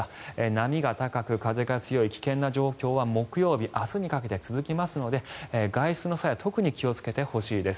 波が高く風が強い危険な状況は木曜日明日にかけて続くので外出の際は特に気をつけてほしいです。